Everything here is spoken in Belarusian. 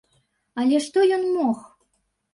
Але што ён мог?